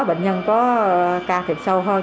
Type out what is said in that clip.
bệnh nhân có ca thiệp sâu hơn